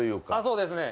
そうですね。